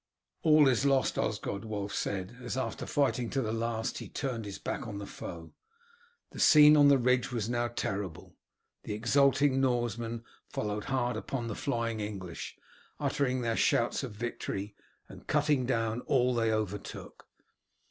"All is lost, Osgod," Wulf said; as after fighting to the last he turned his back on the foe. The scene on the ridge was now terrible; the exulting Norsemen followed hard upon the flying English, uttering their shouts of victory and cutting down all they overtook.